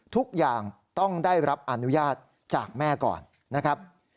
ทุกอย่างต้องได้รับอนุญาตจากแม่ก่อนนะครับ